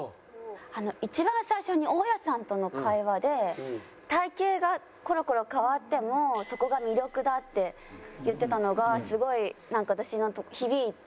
一番最初に大家さんとの会話で「体形がコロコロ変わってもそこが魅力だ」って言ってたのがすごい私に響いて。